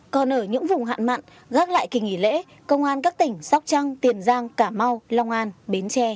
còn ở những vùng hạn mặn gác lại kỳ nghỉ lễ công an các tỉnh sóc trăng tiền giang cả mau long an bến tre